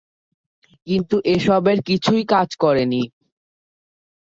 কিন্তু এসবের কিছুই কাজ করেনি।